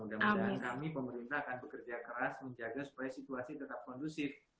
mudah mudahan kami pemerintah akan bekerja keras menjaga supaya situasi tetap kondusif